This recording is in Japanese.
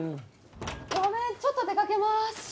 ごめんちょっと出かけます